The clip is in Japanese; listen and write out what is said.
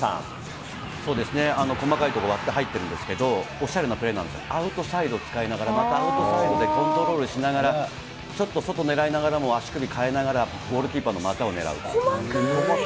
そうですね、細かいところ割って入ってるんですけど、おっしゃるようなプレー、アウトサイド使いながら、またアウトサイドでコントロールしながらちょっと外狙いながらも足首変えながら、ゴールキーパーの股を狙うという。